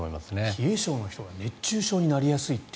冷え性の人は熱中症になりやすいと。